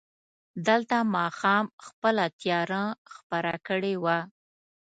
دلته ماښام خپله تياره خپره کړې وه.